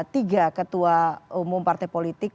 tiga ketua umum partai politik